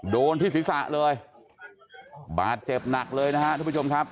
โดนพี่ศิษย์ศาสตร์เลยบาดเจ็บหนักเลยนะครับทุกผู้ชมครับ